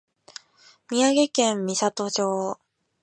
宮城県美里町